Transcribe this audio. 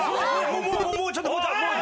もうちょっとあっ！